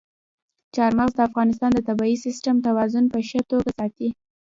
چار مغز د افغانستان د طبعي سیسټم توازن په ښه توګه ساتي.